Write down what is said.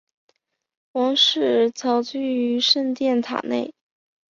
王室遭拘于圣殿塔内。